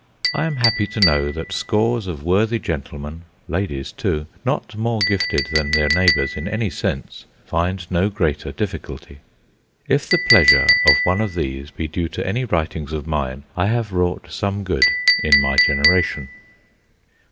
I am happy to know that scores of worthy gentlemen ladies too not more gifted than their neighbours in any sense, find no greater difficulty. If the pleasure of one of these be due to any writings of mine, I have wrought some good in my generation."